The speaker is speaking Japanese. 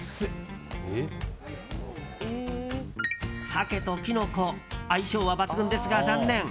サケとキノコ相性は抜群ですが残念。